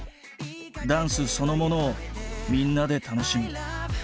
ダンスそのものをみんなで楽しむ。